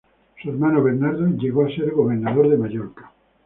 Su hermano Bernardo llegó a ser gobernador de Mallorca.